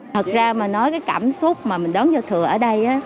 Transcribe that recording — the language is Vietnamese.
thật ra mà nói cái cảm xúc mà mình đón giao thừa ở đây